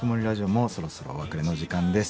もうそろそろお別れの時間です。